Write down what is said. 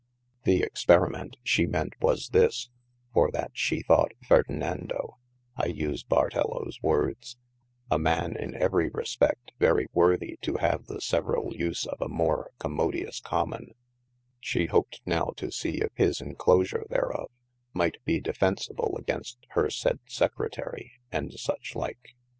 The experiment she ment was this, for that she thought Ferdenando (I use Bartelloes wordes) a man in every respedt very worthy to have the severall use of a more commodious common, she hopped now to see if his inclosure there of might be defensible against hir sayd Secretary, and such like.